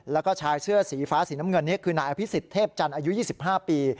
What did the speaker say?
แล้วก็ชายเสื้อสีฟ้าสีน้ำเงินนี้คือนายอภิษฎเทพจันทร์อายุ๒๕ปี